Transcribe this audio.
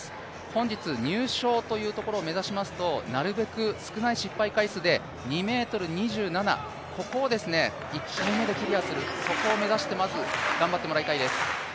本日、入賞を目指しますと、なるべく少ない失敗回数で２ｍ２７を１回目でクリアする、そこを目指してまず頑張ってもらいたいです。